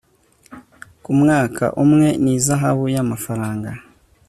ku mwaka umwe n ihazabu y amafaranga